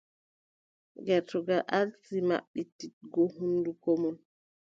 Gertogal aarti maɓɓititgo hunnduko mun.